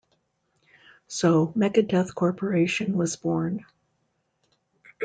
So Mega Death Corporation was born.